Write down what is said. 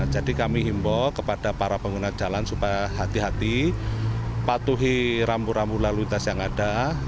jadi kami himbaw kepada para pengguna jalan supaya hati hati patuhi rambu rambu lalu lintas yang ada